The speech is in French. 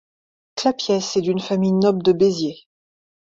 Clapiès est d'une famille noble de Béziers.